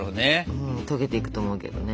うん溶けていくと思うけどね。